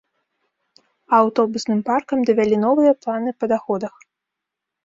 А аўтобусным паркам давялі новыя планы па даходах.